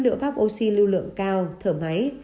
lựa pháp oxy lưu lượng cao thở máy